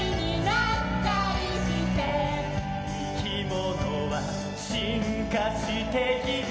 「いきものは進化してきた」